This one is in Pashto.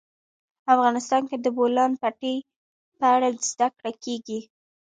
افغانستان کې د د بولان پټي په اړه زده کړه کېږي.